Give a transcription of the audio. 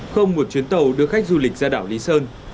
không một chuyến tàu đưa khách du lịch ra đảo lý sơn